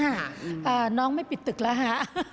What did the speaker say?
น้องอย่างไม่ปิดตึกหล่ะฮะ